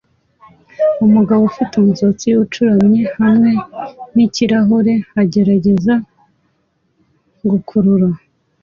Umugabo ufite umusatsi ucuramye hamwe nikirahure agerageza gukurura